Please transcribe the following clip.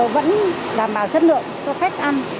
vẫn đảm bảo chất lượng cho khách ăn